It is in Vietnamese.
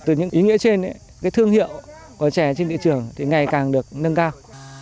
từ những ý nghĩa trên cái thương hiệu của chè trên thị trường thì ngày càng được nâng cao